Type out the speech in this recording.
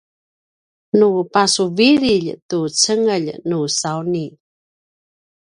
nu pasuvililj tu cengelj nusauni